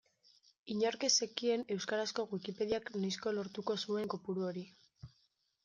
Inork ez zekien euskarazko Wikipediak noizko lortuko zuen kopuru hori.